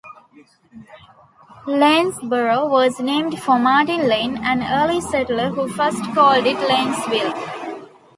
Lanesboro was named for Martin Lane, an early settler who first called it Lanesville.